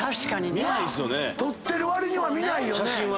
撮ってるわりには見ないよね。